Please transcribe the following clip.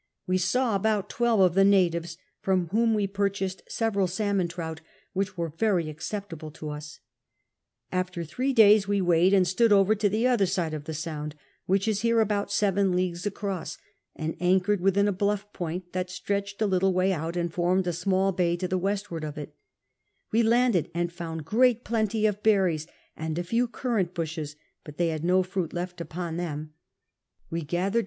We saw about twelve of the natives, from whom we purchased several salmon trout, which were very acceptable to us. After three days wc weighed and stood over to the other side of the sound, which is here about seven leagues acrriss, and anchored within a bluff jioint that stretched a little way out and formed a small bay to the westward of it ; we landed and found great jilenty of berries and a few currant bushes, but they had no fruit left upon X KAMSCriATKA 143 them. W